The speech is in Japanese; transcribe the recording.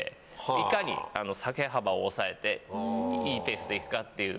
いかに下げ幅を抑えていいペースで行くかっていうので。